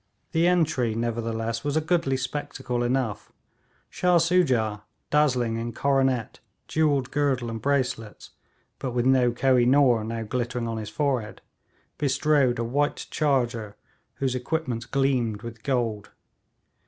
The entry, nevertheless, was a goodly spectacle enough. Shah Soojah, dazzling in coronet, jewelled girdle and bracelets, but with no Koh i noor now glittering on his forehead, bestrode a white charger, whose equipments gleamed with gold.